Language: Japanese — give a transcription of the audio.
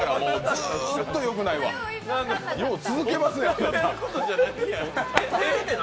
ずっとよくないわ、よう続けますわ。